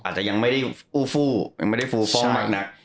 อาจจะยังไม่ได้อู้ฟู้ยังไม่ได้ฟูฟ่องมากนัก